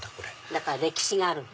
だから歴史があるの。